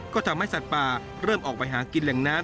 ก็ทำให้สัตว์ป่าเริ่มออกไปหากินแหล่งน้ำ